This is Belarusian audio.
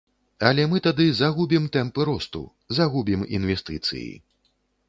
Але мы тады загубім тэмпы росту, загубім інвестыцыі.